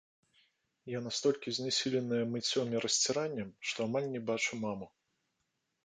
Я настолькі знясіленая мыццём і расціраннем, што амаль не бачу маму.